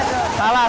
ya salah tuh